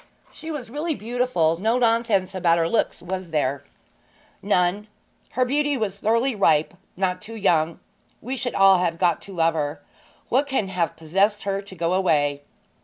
'She was really beautiful; no nonsense about her looks, was there?' 'None. Her beauty was thoroughly ripe not too young. We should all have got to love her. What can have possessed her to go away?'